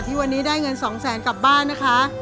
วันนี้ได้เงิน๒แสนกลับบ้านนะคะ